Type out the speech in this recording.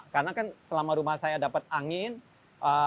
karena kan selama rumah saya dapat angin ataupun dapat cinta matahari itu sama